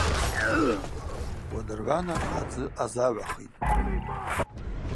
Уадыргӏвана адзы ъазагӏвахитӏ.